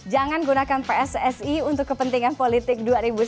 jangan gunakan pssi untuk kepentingan politik dua ribu sembilan belas